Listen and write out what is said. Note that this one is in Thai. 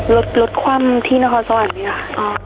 รถคว่ำที่นครสวรรค์